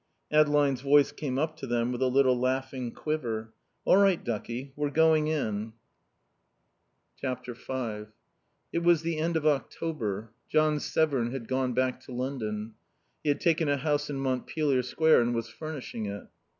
Adeline's voice came up to them with a little laughing quiver. "All right, ducky; we're going in." v It was the end of October; John Severn had gone back to London. He had taken a house in Montpelier Square and was furnishing it.